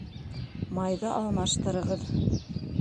Майҙы алмаштырығыҙ